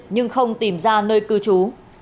nhưng không tìm ra nơi cư trú